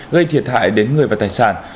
gây thiệt hại đến người và tài sản